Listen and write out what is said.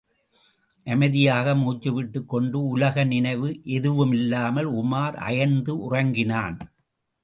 அமைதியாக மூச்சுவிட்டுக் கொண்டு உலக நினைவு எதுவுமில்லாமல் உமார் அயர்ந்து உறங்கினான்!